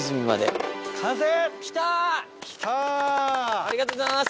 ありがとうございます！